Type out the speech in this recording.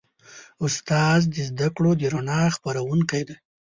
استاد د زدهکړو د رڼا خپروونکی دی.